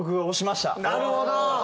なるほど。